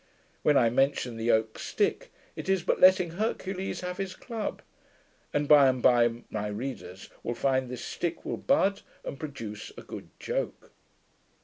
When I mention the oak stick, it is but letting Hercules have his club; and, by and by, my readers will find this stick will bud, and produce a good joke.